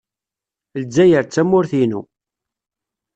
Lezzayer d tamurt-inu.